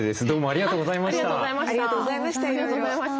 ありがとうございましたいろいろ。